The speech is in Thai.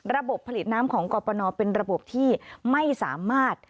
ระบบผลิตน้ำของกรปนเป็นระบบที่ไม่สามารถ